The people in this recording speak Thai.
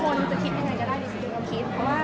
คนจะคิดได้ไงบ้างดีกว่าคิด